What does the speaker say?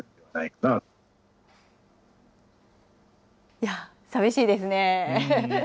いや、寂しいですね。